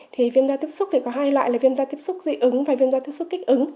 thì viêm da tiếp xúc thì có hai loại là viêm da tiếp xúc dị ứng và viêm da tiếp xúc kích ứng